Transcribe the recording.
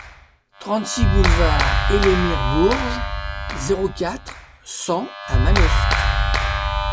trente-six boulevard Elémir Bourges, zéro quatre, cent à Manosque